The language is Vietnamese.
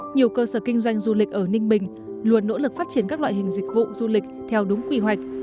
nhiều cơ sở kinh doanh du lịch ở ninh bình luôn nỗ lực phát triển các loại hình dịch vụ du lịch theo đúng quy hoạch